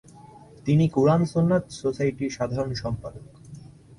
তিনি কুরআন সুন্নাত সোসাইটির সাধারণ সম্পাদক।